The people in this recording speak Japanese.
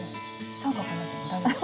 三角になっても大丈夫？